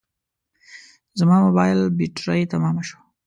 زما موبایل بټري تمامه شوه